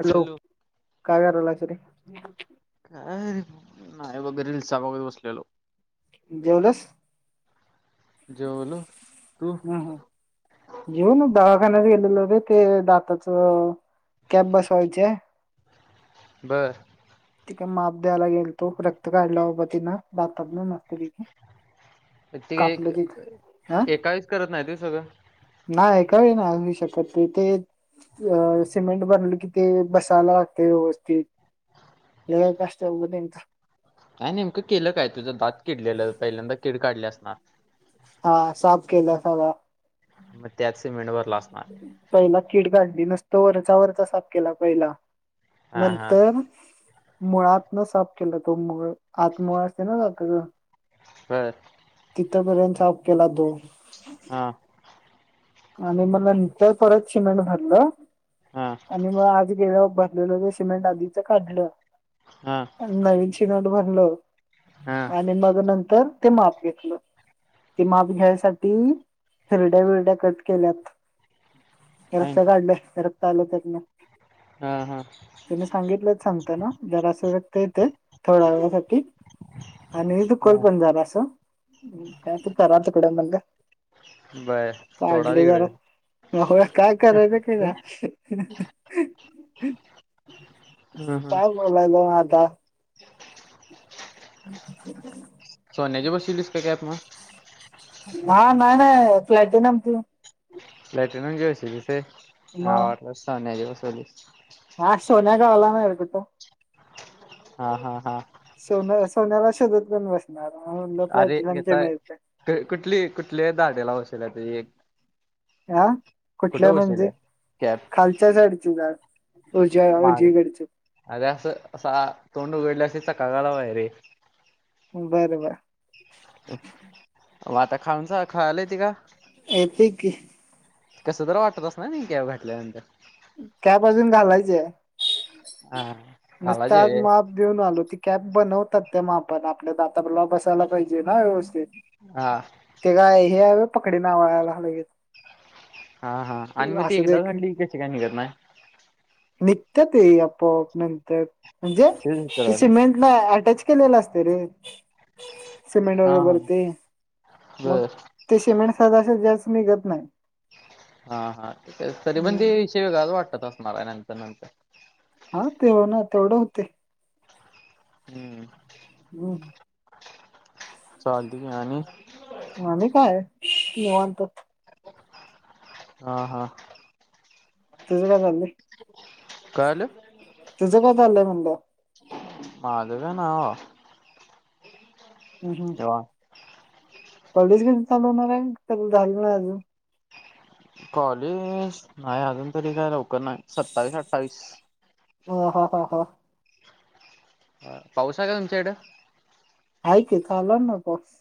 Hello. काय करायलास रे? काय नाही वगर [unintelligible] वगैर बसलेलो. जेवलास? जेवलो. तू? जेऊनच दवाखान्यात गेलेलो रे. ते दाताचं- कॅप बसवायचीय. बरं. तिकं माप द्यायला गेलतो. रक्त काढला बाबा तिनं दातातण. ते क ते ते काहीच करत नाहीत व्हय सगळं? नाय काय नाय [unintelligible] त ते- अ सिमेंट भरल कि ते बसायला लागतंय व्यवस्थित. हे एक असत्या मंग त्यांचं. हां. नेमकं केलं काय? तुझं दात किडलेलं पहिल्यांदा किड काढली असणार. हा. साफ केला सगळा. मग त्यात सिमेंट भरलं असणार. पहिला कीड काढली. नुसता वरचा वरचा साफ केला पहिला. हा हा नंतर- मुळातन साफ केला तो मुळ, आत मुळ असत ना दाताच? [unintelligible] तिथपर्यंत साफ केला तो. हा. आणि म नंतर परत सिमेंट भरलं. हा. आणि मग आज गेल्यावर भरलेलं जे सिमेंट आधीच काढलं. हा. नवीन सिमेंट भरलंय. हा आणि मग नंतर- ते माप घेतलं. ते माप घ्यायसाठी हिरड्या बिरड्या कट - केल्यात. हाय रक्त काढलय रक्त आलं त्यातन. हा हा त्यानं सांगितलंच सांगताना- जरासं रक्त येत, थोड्या वेळासाठी. आणि हा दुखलं पण जरासं. हम कायत करा तिकडं म्हणलं. बरं. काढली जरा. बाबा काय करायचं [unintelligible] [inaudible] हं. हं. बोलायलो म आता. अ सोन्याची बसवलीस का कॅप मग? हहां. नाही नाही प्लॅटिनमची. लॅट्रिनून घेऊच [unintelligible] तिसे ह मग वा स्या दिवसोलस हा, सोन्यागवला नाही रे तथं. हा हा हा, सोन सोन्याला शोधत पण बसणार म्हणल अरे फ्लायटलाक याचा मिळत. कुठली कुठल्या दाट्या लावशल त एक. हा, कुठल्या कुठं बसेल म्हणजे कॅप खालच्या साईडची दाड. [inaudible] रुच माग रुचीकच अरे असं असा तोंड उघडल्या अस चकाकागाला माय रे. बर बर. आता खाऊनचा खालाय त का? येतंय की, कसं तर वाटत अस ना कॅब घटल्यानंतर. कॅब अजून घालायचं हा नुसतच आज घालायचे माप. देऊन आलो ती कॅब बनवतात ते माप आपण आपल्या दातला बसायला पाहिजे ना. हा, ते काय हे पकडी नावळायला लगेच. हा हा, आणि मग ते एकदा घाटली क कशी काय निघत नाही. निघतात ते आपो आप नंतर म्हणजे तेच त विचारायले सिमेंट. नाही अटॅच केलेलं असत रे. सिमेंट हा वगे हा बरते मग. बर ते शिमेंट सजन सजी अस निघत नाही. हा हा, त तरी म्हणजे हम्म शिव्या घालू वाटतात आपणाला नंतर नंतर. हा तेव ना तेवढं होते. हम्म, हम, चालतय की आणी. आणी काय निवांत. हा हा, तुझ काय चाल्लंय? काळालं. तुझं काय चाल्लंय म्हंणल? माझं क नाई बाबा. हम हम, हा, कॉलेज कधी चालू होणार आहे क झालं नाई अजून? कॉलेज नाही अजून तरी काय लवकर नाही सत्तावीस अठ्ठावीस. ह ह ह ह, बर पाऊस आहे का तुमच्याकडें? हाय की, चालूयेना पाऊस.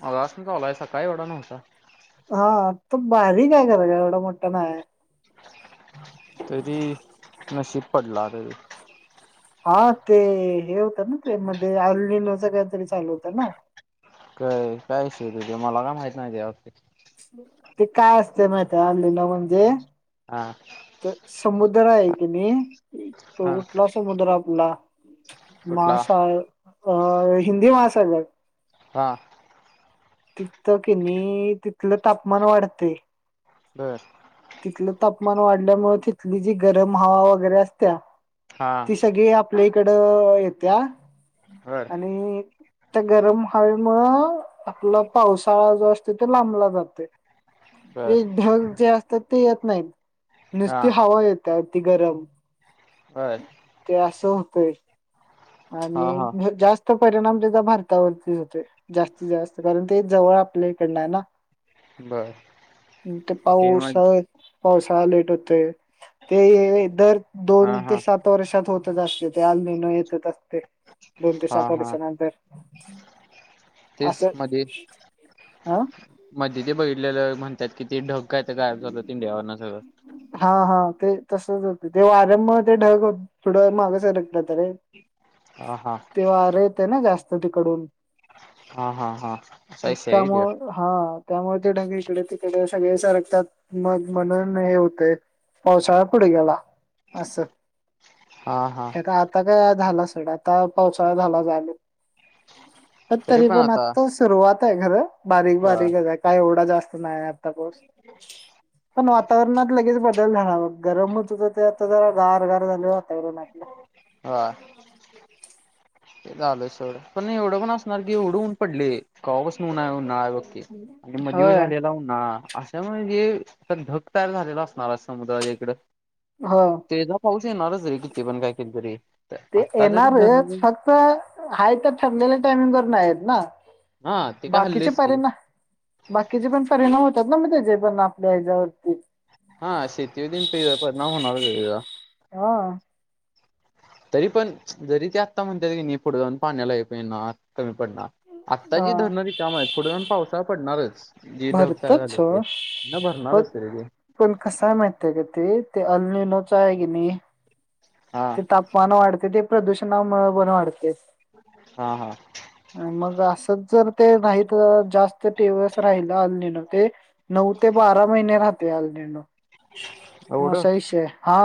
मागापासून चालूये सकाळी एवढा न्हवता. हा, तू बारीक आहे खरं एवढा मोठा नाहीय. तरी नशीब पडला तरी. हा ते हे होतं ना ते मध्ये अलणीन तरी चालू होतं ना. काय काय विश तुझ मला काय माहित नाही त्या बाबतीत. ते काय असते माहित अल्ली ना म्हणजे. आ.. तर समुद्र आहे की नाही हा कुठला समुद्र आपला? कुठला महासा अ हिंदी महासागर हा. तिथं कि नाही तिथलं तापमान वाढतय. बरं तिथलं तापमान वाढल्यामुळे तिथली जी गरम हवा वगैरे असत्या हां. सगळे आपल्या इकडं येत्या हड आणि त्या गरम हवेमुळ आपला पावसाळा जो असतोय तो लांबला जातोय. बर [unintelligible] ढग जे असतात ते येत नाहीत, नुसती हा हवा येतीया ती गरम. हाय ते असं होतय हा आणि हा ढग जास्त तो परिणाम त्याचा भारतावरती होतोय जास्तीत जास्त कारण ते जवळ आपल्या इकडनं आहे ना बर. तो ते मग पाऊसात पावसाळा लेट होते तेहे दल हा दोन ते हा सात वर्षात होतच असते ते आलमन येतच असतय. दोन ते हा सात हा वर्षानंतर तेच असं मध्ये ह मध्ये ते बघीतलेलं म्हणतात कि ते ढग कायं आता गायब झालत इंडियावरंन सगळं हा हा ते तसच होत ते वाऱ्यामुळं ते ढग हो थोड्या वेळ माघ सरखतात रे. हा हा ते वार रहितना जास्त तिकडून हा हा हा [unintelligible] त्यामुळ हा त्यामुळे तेढग इकड तिकड सगळे सरक त्यात मग म्हणून हे होतंय पावसाळा पुढे गेला. अस हा हा हे आता काय झाला सडा, काव काव चालू झाल्यावर आले. पण तरी पण आत्ता सुरुवात आहे खर, बारीक ह बारीकच आहे काय एवढा जास्त नाही आता पाऊस. तर मग लगेच बदल झाला गरमच होत ते आता जरा गार गार झालं वाटायला लागलं. हा. ते झालं सोड पण एवढं ऊन असणार की एवढं ऊन पडले केव्हापासून ऊन आहे ऊन बघ तेच आणि मध्ये ये होय. झालेला ऊनाळा आस त्यामुळे जे ढग तयार झालेला असणार आज समुद्राच्या इकडं. हा तेचा पाऊस येणारच किती पण काय केलं तरी ते आता जरी येणार हेत धरण फक्त हाय त्या ठरलेल्या टायमिंग वर नाही येत ना. हा ते काय बाकीचे हल्लेच की परीना बाकीचे पण परिणाम होतात ना मग त्याचे जे पण आपल्या याच्यावरती. हा शेती बिन पेर परिणाम होणारचय आहे याचा हा तरी पण जरी ते आत्ता म्हणता की नाही पुढे जाऊन पाण्याला येता नाही येणार कमी पडणार आत्ता जी हा. धरणाची काम आहे पुढे जाऊन पावसाळा पडणारच. जी ढग तयार भरतात झाले ते सोड ना पण भरणारच त रे तेे पण कसयं माहित ये का ते, ते अल्नीलोच आहे की नाही हा ते तापमान वाढते ते प्रदूषणामुळे पण वाढते. हा -हा, मग असंच जर ते नाही त जास्त दिवस राहिला आलं नाही ना ते नऊ ते बारा महिने राहतेय आलनेन एवढं असा विषय आहे, हा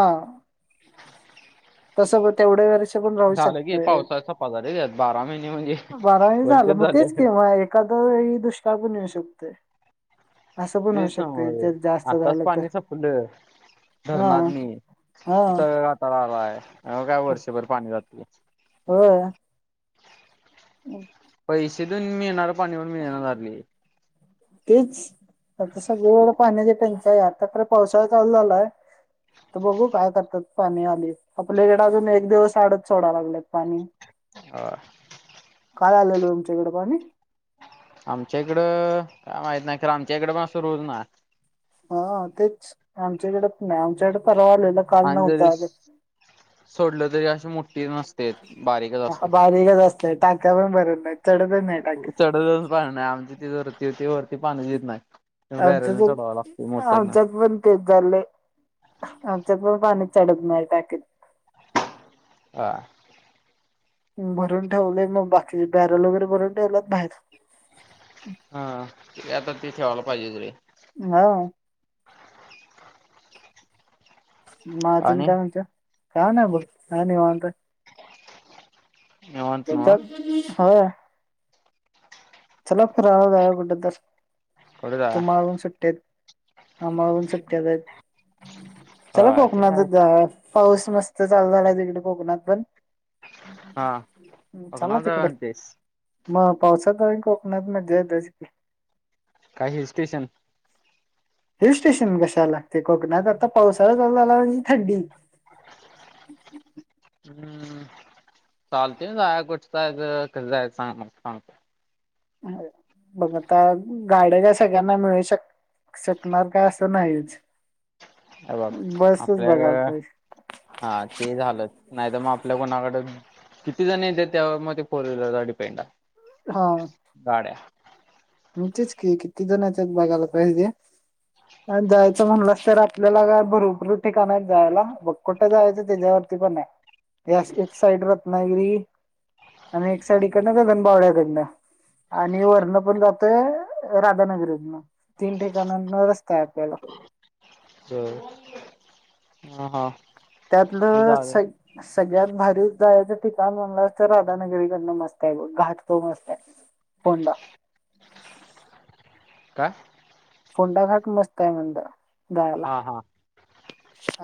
तस म तेवढ्या वर्ष पण राहू झालं की शकतंय, पावसाळा सपा रे त्यात बारा महिने म्हणजे बारा महिने झालं मग तेच तेव्हा एखाद वेळी दुष्काळ पण येऊ शकते. तेच मग आताच झालं तर पाणी संपलं हा धरणातनी हा ति त तळालाय त्यांनी काय वर्षभर पाणी जात नाही. होय [inaudible] पैसे देऊन मिळणारं पाणी पण मिळणा झालेय. तेच आता सगळं पाण्याच टंचाई यात आता परत पावसाळा चालू झालाय, तर बघू काय करतात पाणी आली आपल्या इकडे अजून एक दिवस आडच सोडा लागलेत पाणी. हा, काल आलेलं तुमच्या इकडं पाणी? आमच्या इकडं काय माहित नाही, कारण आमच्या इकडें पण असं रोज ना हा तेच आमच्याइकडे पण नाही, आमच्याइकडे परवा आलेला आणि जरी सोडलं तरी अशी मोठठी नस ह बारीकच असतंय टाक्या पण भरत नाही, चढतच नाही टाकित. दररोज भाडणंय आमच्या तिथ ते, ते वरती पाणी येत नाही बॅरलन आमच्यात चढवावं लागते मोटर ने. आमच्यात पण तेच चाललंय आमच्याकडे पाणी चढत नाही टाकीत. हा, भरून ठेवलेलं, मग बाकीचे बॅरल वगैरे भरून ठेवलंत बाहेर. हा ते आता ते ठेवायला पाहिजे ते. व्हय, मग आजून आणि काय म्हणत्या? काय नाही बघ हाय निवांत. निवांत नव्ह येतो? होय. चला फिरायला जावा कुठं तर कुठं जाया तुम्हाला पण सुट्टियेत. आम्हाला पण सुट्ट्याच हायेत, चला होय ते काय कोकणातच जाऊया. पाऊस मस्त चालु झाला आहे, तिकडं कोकणात पण. हा चालला कोकणाला जाऊया तिकडं, म्हणतेस मग पावसात कोकणात [unintelligible] ढच की काय हिल स्टेशन? हिल स्टेशन कशाला लागते कोकणात, आता पावसाळा चालू झाला म्हणजे थंडी. [inaudible] हम्म, चालतंय जाया कुठ जायाचं? कधी जायाचं? आमाला सागं. बघ, आता गाड्या का सगळ्यांना मिळू शक शकणार का असं नाहीच. हे बघ बसच बघायला आपल्याक पाहिजे हा ते झालं. नाही, तर मग आपल्या कोणाकड? किती जण ये ते त्या मधे फोर व्हीलरचा डिपेंड आहे. हा, गाड्या मग तेच की किती जणचा बघायला पाहिजे अन जा म्हणलंस तर आपल्याला काय भरपूर ठिकाण आहेत जायाला बग कुठं जायाचं त्याच्यावरती पण आहे. त्या एक साईड रत्नागिरी अन एक साइड इकडन गगन बावळ्याकडनं आणि वरण पण जात ते राधानगरीतन तीन ठिकाणांहुन रस्ता आहे आपल्याला. [unintelligible] हा-हा. त्यातलं स सगळ्यात भारी जायाचं ठिकाण म्हणला अस तर राधानगरीकडनं मस्त आहे घाट तो मस्त आहे. फोंडा काय? फोंडा घाट मस्त आहे म्हणलं जायाला. हा हा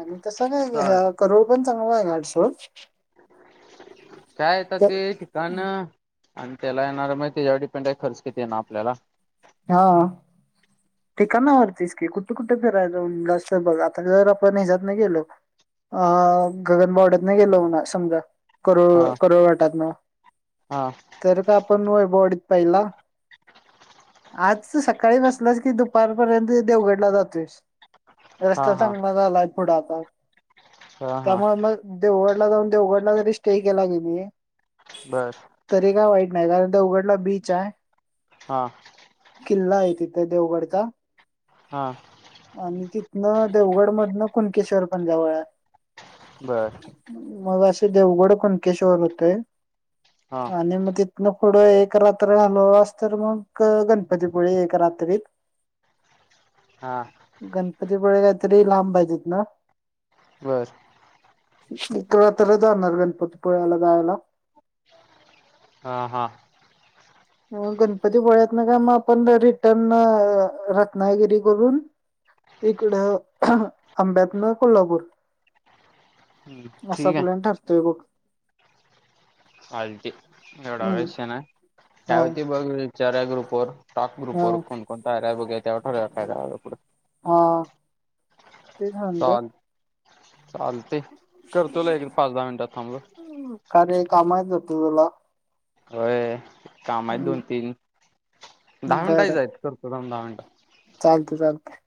आणि तस नाही चाल ह्या करोड पण चांगला घाटसो. काय येता ते ठिकाण? आणि त्याला येणार मग त्याच्यावर डिपेंड आहे खर्च किती येईन आपल्याला? हा. ठिकाणा वरतीस की कुठ-कुठ फिरायच जाऊन जाशाल बघ आता जर आपण ह्याच्यातन गेलो. अ गगनबावड्यातन गेलो समजा. करू हा करावा वाटत नाही हा तर का आपण वैभववाडीत पहिला आज सकाळी बसलाच की दुपारपर्यंत देवगडला जातोस. हा रस्ता हा चांगला झालाय पुढं आता हा हा त्यामुळे मग देवगडला जाऊन देवगडला जरी स्टे केला कि नाही. बर. तरी काय वाईट नाही कारण ते देवगडला बीच आहे. हा. किल्ला आहे तिथे देवगडचा. हा. आणि तिथनं देवगड मधनं कुणकेश्वर पण जवळ आहे. बर. मग असे देवगड कुणकेश्वर होतय हा आणि मग ते पुढं एक रात्र राहीलो असतो तर मग ग गणपतीपुळे एका रात्रीत. हां. गणपतीपुळे रात्री लांब आहे तिथन. बरं. एक रात्र जाणार गणपतीपुळ्याला जायाला. हां-हा. म गणपती पुळेतन काय मग आपण रिटर्न रत्नागिरी करून इकड आंब्यातन कोल्हापूर. असा ठीक आहे प्लन ठरतोय बघ. आलती एवढं हम्म अश ना हा त्यावती बघ. सऱ्या ग्रुपवर टाक ग्रुप हा वर कोण-कोण तयार आहे बघ याच्यावर ठरव काय पुढं. हा. तेच म्हणलं चाल चालते करतोला एक पाच दहा मिनटात थांबलं. कारे काम आहेत का जास्त तुला? होय काम आहेत दोन तीन, दहा मिनटाय च आहेत, करतो थांब दहा मिनटं. चालत चालतय.